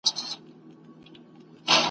پر انارګل به زلمي چاپېروي !.